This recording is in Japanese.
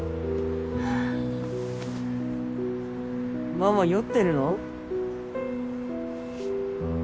ママ酔ってるの？